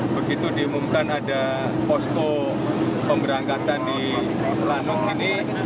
begitu diumumkan ada pospo pemberangkatan di lanun sini